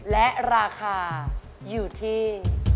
และราคาอยู่ที่